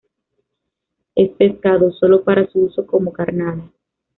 Es pescado solo para su uso como carnada.